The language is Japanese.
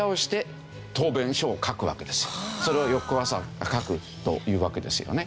それを翌朝書くというわけですよね。